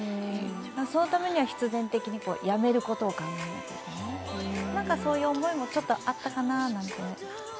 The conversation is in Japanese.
そのためには必然的にやめることを考える、そういう思いもちょっとあったかなって。